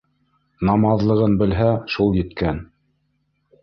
Намаҙлығын белһә, шул еткән.